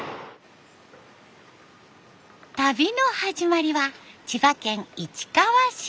旅の始まりは千葉県市川市。